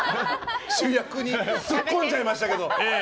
主役に突っ込んじゃいましたけど。